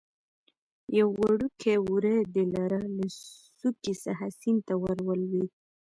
یو وړکی وری د لره له څوکې څخه سیند ته ور ولوېده.